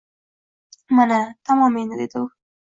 — Mana... tamom endi... — dedi u.